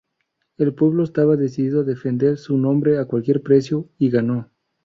El pueblo estaba decidido a defender su nombre a cualquier precio… Y ganó.